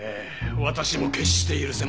私も決して許せません！